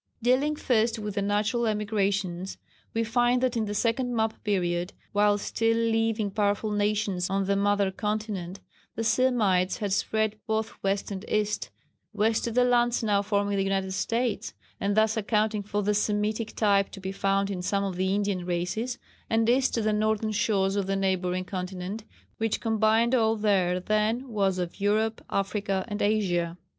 Dealing first with the natural emigrations we find that in the second map period while still leaving powerful nations on the mother continent, the Semites had spread both west and east west to the lands now forming the United States, and thus accounting for the Semitic type to be found in some of the Indian races, and east to the northern shores of the neighbouring continent, which combined all there then was of Europe, Africa and Asia.